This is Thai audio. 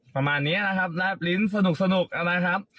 ประมาณนี้นะครับแลบลิ้นสนุกนะครับ